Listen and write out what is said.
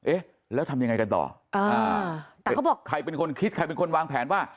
เอ๊ะแล้วทำยังไงกันต่ออ่าแต่เขาบอกใครเป็นคนคิดใครเป็นคนวางแผนว่า